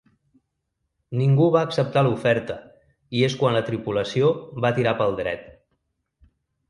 Ningú va acceptar l’oferta i és quan la tripulació va tirar pel dret.